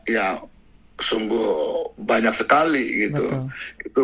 ya sungguh banyak sekali gitu